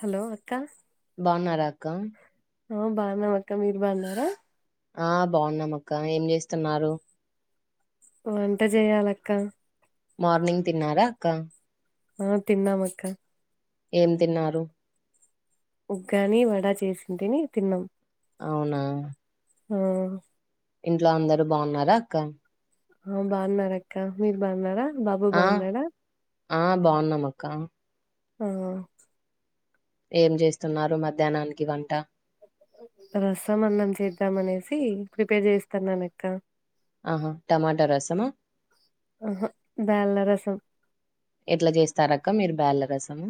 Hello అక్క బావున్నారా అక్క ఆ బావునం అక్క మీరు బావున్నారా ఆ బావున్నం అక్క ఏం చేస్తున్నారు వంట జేయాలక్క మార్నింగ్ తిన్నారా అక్క ఆ తిన్నామక్క ఏం తిన్నారు ఉగ్గాని వడా చేసింటిని తిన్నాం అవునా ఆ ఇంట్లో అందరు బాగున్నారా అక్క ఆ బాగున్నారక్క మీరు బాగున్నారా బాబు ఆ బాగున్నాడా ఆ బాగున్నామక్క ఆ ఏం చేస్తున్నారు మధ్యానానికి వంట రసమన్నం చేద్దాం అనేసి ప్రిపేర్ చేస్తున్నానక్క ఆహా టమాటా రసమా ఆహా బ్యాళ్ళ రసం ఎట్లా చేస్తారక్క మీరు బ్యాలరస్ ము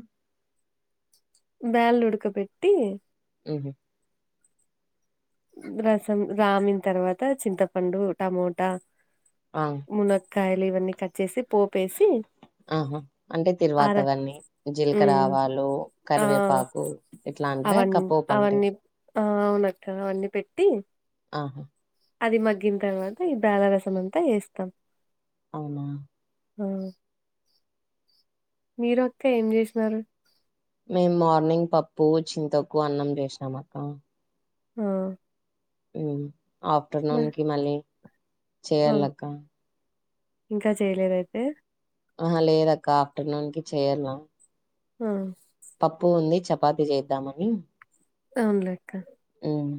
బ్యాల్ ఉడకబెట్టి ఉహ్మ్ రసం రామిన తర్వాత చింతపండు టమోటా ఆ మునక్కాయలు ఇవన్నీ కట్చేసి పోపేసి ఆహా అంటే ఆర తిరువాతవాన్నీ ఉమ్ జీలకరావాలు ఆ కరివేపాకు ఇట్లా అవన్ అవన్నీ ఆ అవునక్క అవన్నీ పెట్టి ఆహా అది మగ్గిన తర్వాత ఈ బ్యాల రసం అంతా ఎస్తాం అవునా ఆ మీరొక్క ఏం చేసినారు మేమ్ మార్నింగ్ పప్పు చింతొక్కు అన్నం చేశినాం అక్క ఆ ఉమ్ ఆఫ్టర్నూన్ మ- కి మళ్ళీ ఆ చేయాలక్క ఇంకా చేయలేద అయితే ఆహ లేదక్క ఆఫ్టర్నూన్ కి చేయ్యాల్ల ఆ పప్పు ఉంది చపాతి చేద్దామని అవున్లేక్క ఉమ్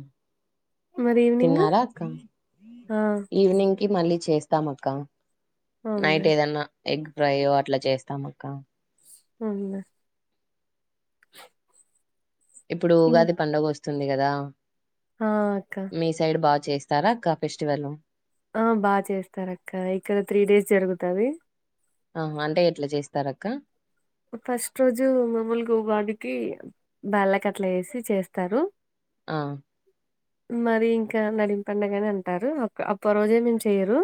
ఈవినింగ్ తిన్నారాక్క ఆ ఈవినింగ్ కి మళ్ళీ చేస్తాం అక్క అవునులే నైట్ ఏదన్నా ఎగ్ ఫ్రైయో అట్లా చేస్తాం అక్క అవునా ఇప్పుడు ఇం- ఉగాది పండుగ వస్తుంది కదా ఆ అక్క చేస్తార అక్క ఫెస్టివల్ ఆ బాగ చేస్తారు అక్క ఇక్కడ త్రీ డేస్ జరుగుతది ఆ అంటే ఎట్లా చేస్తారక్క ఫస్ట్ రోజు మామూలుగా ఉగాదికి బాయల్లకట్ల ఎసి చేస్తారు ఆ మరి ఇంకా నడిం పండగని అంటారు అక్క అప్ప రోజేమేమ్ చెయరు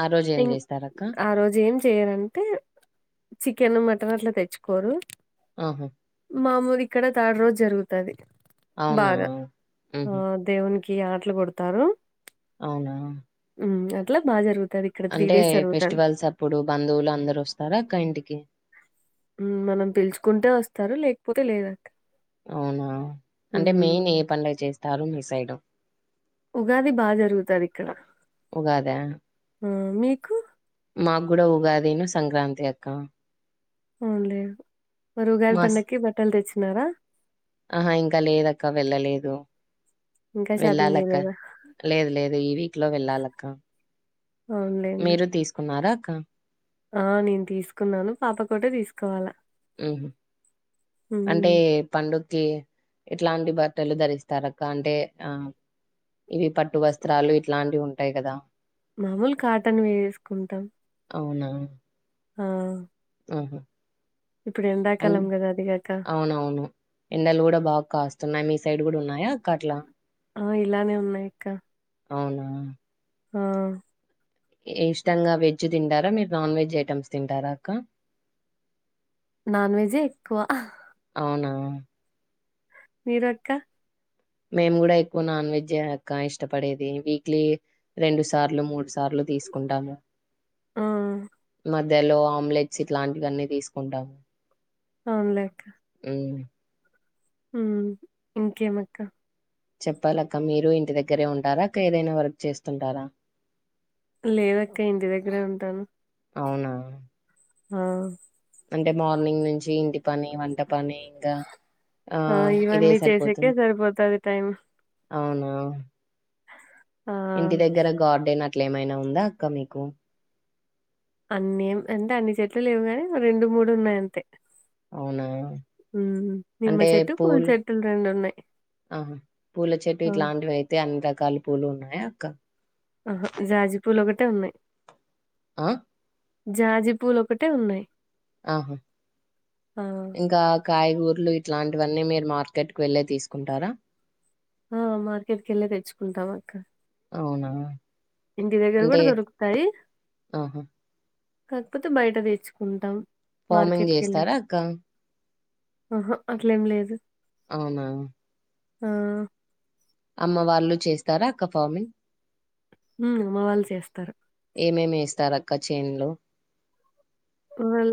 ఆ రోజు ఏం ఇం చేస్తారక్క ఆ రోజు ఏం చెయరంటే చికెన్ మ టన్ అట్ల తెచ్చుకోరు ఆహా మాఊరు ఇక్కడథర్డ్ రోజు జరుగుతది అవునా బాగా ఆ ఊహూ దేవునికి కి ఆటలు కొడతారు అవునా ఉమ్ అట్లా బాగ జరుగుతుంది అంటే ఫెస్టివల్స్ అప్పుడు బంధువులు అందరు వస్తారా అక్క ఇంటికి ఉమ్ మనం పిల్చుకుంటే వస్తారు లేకపోతే లేదా అవునా అంటే మెయిన్ ఏ పండగ చేస్తారు మీ సైడు ఉగాది బా జరుగుతది ఇక్కడ ఉగాదా మీకు మాకు కూడా ఉగాదీను సంక్రాంతి అక్క అవున్లే మరుగాది మా స్ పండక్కీ బట్టలు తెచ్చినారా ఆహా ఇంకా లేదక్క వెళ్ళలేదు ఇంకా షాపింగ్ వెళ్ళాలక్క చేయలేదా లేదు లేదు ఈ వీక్లో వెళ్ళాలక్క అవునులేండి మీరు తీసుకున్నారా అక్క ఆ నేను తీసుకున్నాను పాప కోటే తీసుకోవాలా ఉహ్ అంటే ఉమ్ పండుగ్కి ఎట్లాంటి బట్టలు ధరిస్తారక్క అంటే ఆ ఇవి పట్టు వస్త్రాలు ఇట్లాంటివుంటాయి కదా మామూలు కాటన్వేస్కుంటాం అవునా ఆ ఇప్పుడు ఆమ్ ఎండాకాలం కదా అదిగాక అ ఔనవును ఎండలు కూడా బాకాస్తున్నాయి మీ సైడ్ కూడా ఉన్నాయాక్క అట్లా ఆ ఇలానే ఉన్నాయక్క అవునా ఆ ఇష్టంగా వెజ్ తింటారా మీరు నాన్వెజ్ ఐటెమ్స్ తింటారాక్క నాన్వెజెఎక్కువ అవునా మీరక్క మేము కూడా ఎక్కువ నాన్ వెజ్ అక్కా ఇష్టపడేది వీక్లీ రెండు సార్లు మూడు సార్లు తీస్కుంటాము ఆ మధ్యలో ఆమ్లెట్స్ ఇట్లాంటివన్ని తీస్కుంటాము అవున్లేక్కా ఉహ్ ఇంకేమక్క చెప్పాలక్క మీరు ఇంటి దగ్గరే ఉంటారా ఏదైనా వర్క్ చేస్తుంటారా లేదక్క ఇంటి దగ్గరే ఉంటాను ఔనా ఆ అంటే మార్నింగ్నుంచి ఇంటి పని వంట పని ఇంకా ఆ ఇదే ఇవన్నీ చేసేకే సరిపోతది టైం ఔనా ఆ ఇంటి దగ్గర గార్డెన్ అట్లేమైనా ఉందా అక్క మీకు అన్నేం అంటే అన్ని చెట్లు లేవు గాని రెండు మూడు ఉన్నాయంతే అవునా ఉహ్ నిమ్మ చెట్టు పూల్చెట్టులు రెండు ఉన్నాయ్ ఆ పూల చెట్టు ఇట్లాంటివి అయితే అన్ని రకాల పూలు ఉన్నాయక్క ఆహా జాజీపూలోకటే ఉన్నాయ్ ఆ జాజిపులు ఒకటేవున్నాయి ఆహా ఇంకా కాయగూ పులు ఇట్లాంటివన్నీ మీరు మార్కెట్కేళ్ళి తీసుకుంటారా ఆ మార్కెట్కేల్లే తెచ్చుకుంటామక్క ఔనా ఇంటి దగ్గర కూడా దొర్కుతాయి ఆహా కాకపోతే బైట తెచ్చుకుంటాం ఫార్మింగ్ మార్కెట్కెళ్ళి చేస్తారా అక్క ఆహా అట్లేం లేదు అవునా ఆ అమ్మ వాళ్ళు చేస్తారా అక్క ఫార్మింగ్ ఉమ్ అమ్మ వాళ్ళు చేస్తారు ఏమేమి ఏస్తారక్క చేన్లు వల్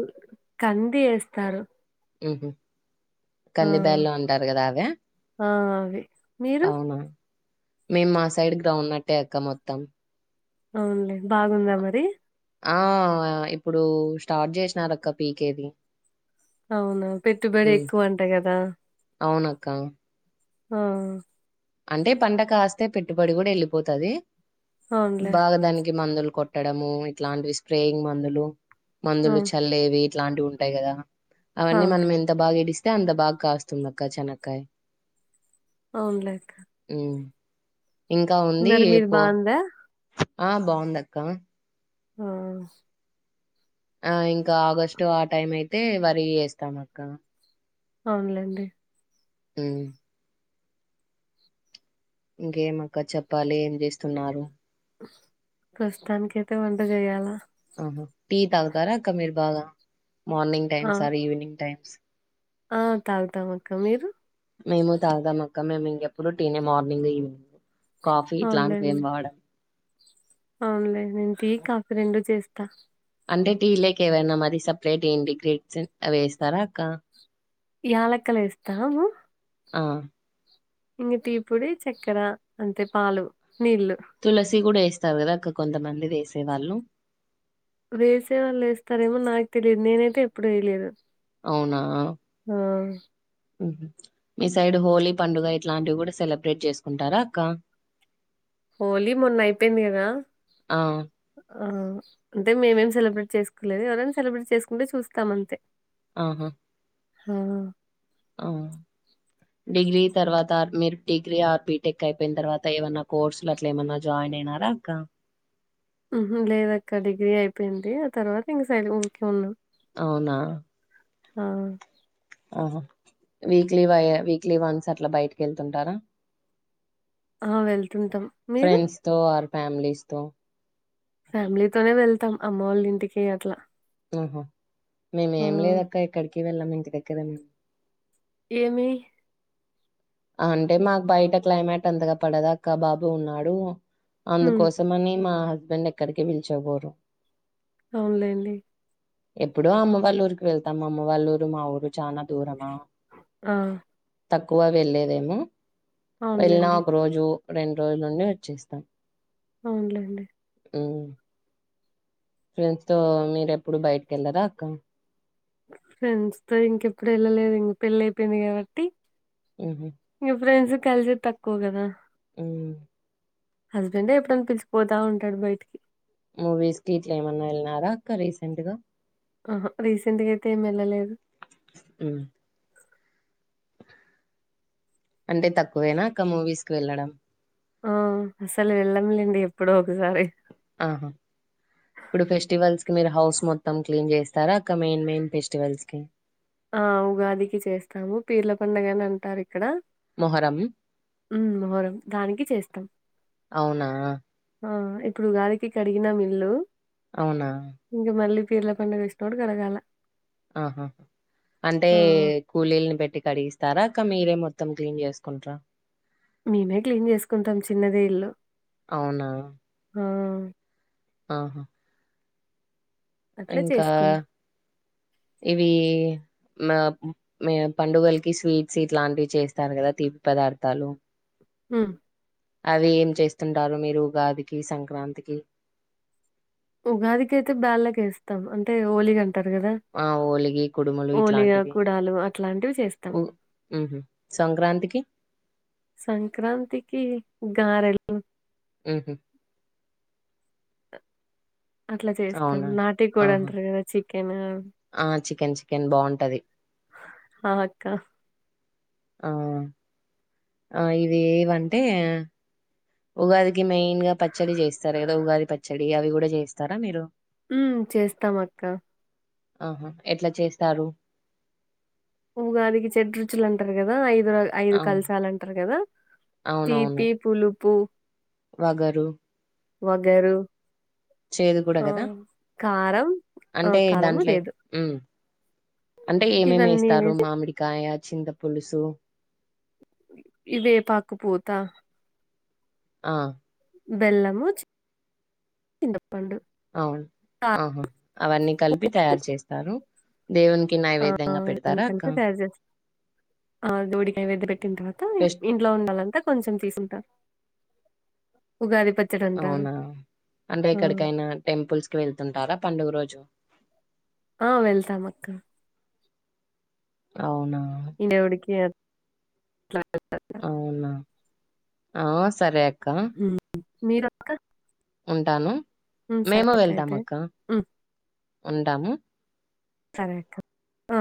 కంది ఏస్తారు ఉహ్మ్ ఆ కంది బ్యాల్లో అంటారు కదా అవ్య ఆ అవి మీరు అవ్నా మేం మా సైడ్ గ్రౌండ్ నట్టే అక్క మొత్తం అవ్న్లే బాగుందా మరి ఆ ఇప్పుడు స్టార్ట్ చేస్నారక్క పీకేది అవునా పెట్టుబడి ఉమ్ ఎక్కువ అంటా కదా అవునక్క ఆ అంటే పంట కాస్తే పెట్టుబడి కూడా ఏళ్ళిపోతది అవునులే బాగాదానికి మందులు కొట్టడము ఇట్లాంటివి స్ప్రేయింగ్ మందులు ఆ మందులు చల్లేవి ఇట్లాంటివి ఉంటాయి కదా ఆ అవన్నీ మనం ఎంత బాగా ఏడిస్తే అంత బాగా కాస్తుందక్క చెనక్కయ్ అవ్న్లే ఊమ్ ఇంకా ఉంది మరి మీది పో బాగుందా ఆ బావుందక్క ఆ ఆ ఇంకా ఆగస్టు ఆ టైం అయితే వరి ఏస్తాం అక్క అవ్న్ లేండి ఉమ్ ఇంకేమక్క చెప్పాలి ఏం చేస్తున్నారు ప్రస్తానికైతే వంట చేయ్యాల ఆహ టీ తాగ్తారా అక్క మీరు బాగా మార్నింగ్ ఆ టైమ్స్ ఆర్ ఈవినింగ్ టైం ఆ తాగ్తాం అక్క మీరు మేమ్ తాగం అక్క మేము ఇంగెప్పుడు టీనే మార్నింగ్ ఈవినింగ్ కాఫీ ఇట్లాంటివి ఏమ్ వాడ అవ్న్ లే నేన్ టీ కాఫీ రెండు చేస్తా అంటే టీ లేక్ ఏవైనా మరి సప్రేట్ ఎంటిగ్రేట్స్ అవేస్తారా అక్క యాలక్కలేస్తాము ఆ ఇంగ టీ పొడి చక్కెర అంతె పాలు నీళ్ళు తులసి కూడా ఏస్తారు కదా అక్క కొంతమంది వేసే వాళ్ళు వేసే వాళ్ళు ఏస్తారేమో నాక్ తెలిదు నేనైతే ఎప్పుడు ఏయలేదు అవున ఉహ్మ్ మీ సైడ్ హోలీ పండుగ ఇట్లాంటివి కూడా సెలబ్రేట్ చేస్కుంటారా అక్క హోలీ మొన్న అయిపోయింది కదా ఆ! ఆ అంటే మేమేం సెలబ్రేట్ చేస్కోలేదు ఎవరైనా సెలబ్రేట్ చేస్కుంటే చూస్తాం అంతే ఆహా హా అ డిగ్రీ తర్వాత మీరు డిగ్రీ ఆర్బిటెక్ అయిపోయిన్ తర్వాత ఏమన్నా కోర్సులు అట్లా ఏమన్నా జాయిన్ ఎండైనరా అక్క ఉహుం లేదక్క డిగ్రీ అయిపోయింది ఆ తర్వాత ఇంక సై ఊరికి ఉన్నాం ఔనా అ ఆహా వీక్లీ వై వీక్లీ వన్స్ అట్లా బయటికెళ్తుంటారా ఆ వెళ్తుంటం మీరు ఫ్యామ్లీస్తో ఫ్యామిలీతోనే వెళ్తాం అమ్మోళ్ళింటికీ అట్లా ఉహు ఆ! మేమేం లేదక్క ఎక్కడికి వెళ్ళం ఇంటి దగ్గరనే యమ్మీ అంటే మాకు బయట క్లైమైట్ అంతగా పడదక్కా బాబు ఉన్నాడు హ్మ్. అందుకోసమని మా హస్బెండ్ ఎక్కడికి పిల్చకపోరూ అవున్లేండీ ఎప్పుడో అమ్మ వాళ్ళూరికి వెళ్తాం అమ్మ వాళ్ళూరు మా ఊరూ చనా దూరమా ఆ! తక్కువ వెళ్లేదేమో వెల్నా అవునులేండి. ఒక రోజు రెండు రోజులుండి వచ్చేస్తాం అవున్లేండి ఉమ్ ఫ్రెండ్స్ తో మీరెప్పుడు బైటిక్కెళ్ళర అక్కా ఫ్రెండ్స్ తో ఇంకెప్పుడు వెళ్ళలేద్ పెళ్ళైపోంది కాబట్టి ఇగ ఫ్రెండ్స్ కల్సే తక్కువ గదా హస్బెండే ఎప్పుడన పిల్స్క్ పోతాంటడు బైటికి మూవీస్ కి ఇట్లా ఏమన్నెల్నారా అక్క రీసెంట్ గా ఆహా రీసెంట్ గా అయితే ఏం వెళ్ళలేదూ ఉమ్ అంటే తక్కువేనా అక్క మూవీస్ కి వెళ్ళడం ఆ అస్సలు వెళ్ళంలేండి ఎప్పుడో ఒకసారి ఆహా ఇప్పుడు ఫెస్టివల్స్ మీరు హౌస్ మొత్తం క్లీన్ చేస్తారా అక్క మేయిన్ మేయిన్ ఫెస్టివల్స్ కి ఆ ఉగాదికి చేస్తాము పీర్ల పండగని అంటారు ఇక్కడ మొహరం ఉమ్ మొహరం దానికి చేస్తాం అవునా ఇప్పుడూ ఉగాదికి కడిగినం ఇల్లూ అవునా పీర్ల పండుగ వచ్చినప్పుడు కడగాల ఆహా అంటే ఆ కూలీల్ని పెట్టి కడిగిస్తారా అ క్క మీరే మొత్తం క్లీీన్ చేసుకుంట్రా మేమే క్లీన్ చేసుకుంటాం చిన్నదే ఇల్లు అవునా! హా ఆహా అట్లా ఇంకా చేసుకుంటాం ఇవీ మా మే పండుగల్కీ స్వీట్స్ ఇట్లాంటివి చేస్తారు కదా తీపి పదార్థాలు ఉమ్ అవి ఏం చేస్తుంటారు మీరు ఉగాదికి సంక్రాంతికి ఉగాదికైతే బ్యాళ్ళకేస్తాం అంటే హోలీగ టరు కదా ఆ ఓలిగి, కుడుములు ఓలిగా ఇట్లాంటివి గుడాలు అట్లాంటివి చేస్తాం ఉహు సంక్రాంతికి సంక్రాంతికీ గారెలు ఉహ్మ్ అట్ల చేస్తాం అవునా! నాటి కోడీ ఆహా! అంట్రూ కదా చికెను ఆ చికెన్ చికెన్ బాగుంటది ఆ అక్క ఆ ఆ ఇవేవంటే ఉగాది కి మైన్ గా పచ్చడి చేస్తారు కదా ఉగాది పచ్చడి అవి కూడా చేస్తారా మీరు ఉమ్ చేస్తామక్క ఆహా ఎట్లా చేస్తారు ఉగాదికి చెడ్రుచులంటరు గదా ఐ ఐదు అవును కాల్సాలంటారు గదా అవునవును తీపి పులుపు వగరు వొగరు చేదు కూడా ఆ కదా కారం ఆ అంటే కరము దాంట్లో లేదు ఉమ్ అంటే ఏమేమేస్తారు వేసి మామిడికాయ చింత పులుసు ఇదేపాకుపూత ఆ బెల్లము చిన్ త ఔన్ ఆహా అవన్నీ కల్పీ తయారు చేస్తారు దేవునికి ఆ ఆ నైవేద్యంగా ఇవ్వన్ని పెడతారా అక్క కలిపె తయార్ జేస్త్ ఆ దూడికాయ్ వెద్ద పెట్టిన్ తరువాత ఫెస్ట్ ఇంట్లో వున్నోలంత కొంచం తీసుంటా ఉగాది పచ్చడి అంటారు ఔనా అంటే ఆ ఎక్కడికైనా టెంపుల్స్ వెళ్తుంటారా పండుగ రోజు ఆ వెళ్తామక్కా ఔనా దేవుడికి అట్లా ఔనా ఆ సరే అక్కా మీరక్క ఉంటాను మేము అయితే వెళ్తామక్కా హ్మ్. ఉంటాము సరెక్క ఆ